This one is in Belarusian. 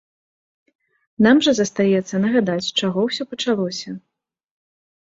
Нам жа застаецца нагадаць, з чаго ўсё пачалося.